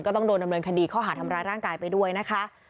ต้องโดนดำเนินคดีข้อหาทำร้ายร่างกายไปด้วยนะคะ